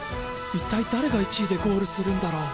一体だれが１位でゴールするんだろう。